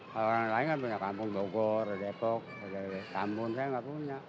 kalau orang lain kan punya kampung bogor redekok kampung saya enggak punya